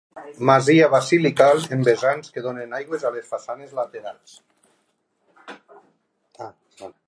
Masia basilical amb vessants que donen aigües a les façanes laterals.